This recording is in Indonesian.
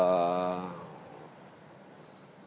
tentu dengan packaging dan branding yang tersebut